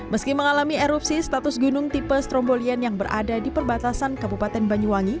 meski mengalami erupsi status gunung tipe strombolian yang berada di perbatasan kabupaten banyuwangi